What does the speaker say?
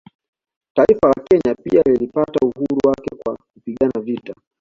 Taifa la Kenya pia lilipata uhuru wake kwa kupigana vita